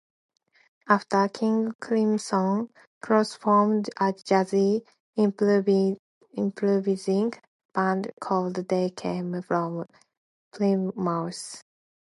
After King Crimson, Cross formed a jazzy improvising band called They Came from Plymouth.